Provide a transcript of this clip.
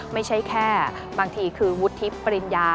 ไม่ใช่แค่บางทีคือวุฒิปริญญา